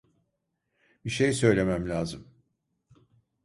Bir şey söylemem lazım.